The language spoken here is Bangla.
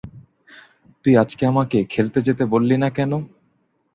তুই আজকে আমাকে খেলতে যেতে বললিনা কেন?